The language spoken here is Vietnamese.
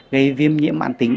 gây viêm nhiễm bản tính